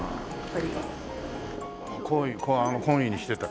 懇意にしてた？